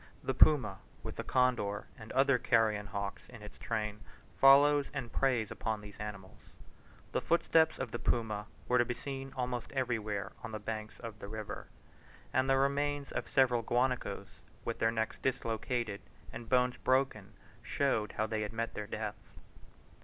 The puma, with the condor and other carrion hawks in its train, follows and preys upon these animals. The footsteps of the puma were to be seen almost everywhere on the banks of the river; and the remains of several guanacos, with their necks dislocated and bones broken, showed how they had met their death.